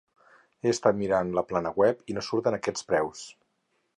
He estat mirant la plana web i no surten aquests preus.